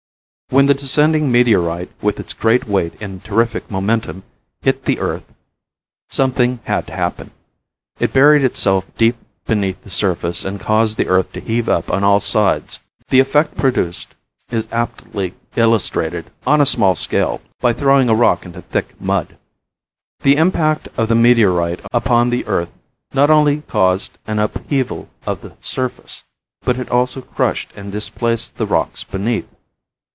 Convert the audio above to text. When the descending meteorite, with its great weight and terrific momentum, hit the earth something had to happen. It buried itself deep beneath the surface and caused the earth to heave up on all sides. The effect produced is aptly illustrated, on a small scale, by throwing a rock into thick mud. The impact of the meteorite upon the earth not only caused an upheaval of the surface, but it also crushed and displaced the rocks beneath.